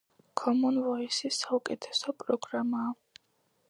ქომონ ვოისი საუკეთესო პროგრამაა